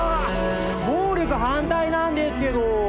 暴力反対なんですけど！